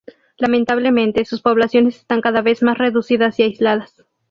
Lamentablemente, sus poblaciones están cada vez más reducidas y aisladas.